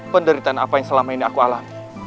penderitaan apa yang selama ini aku alami